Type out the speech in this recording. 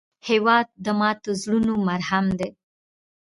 هېواد د ماتو زړونو مرهم دی.